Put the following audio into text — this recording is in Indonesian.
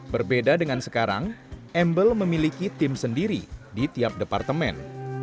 berbeda dengan sekarang embel memiliki tim sendiri di tiap departemen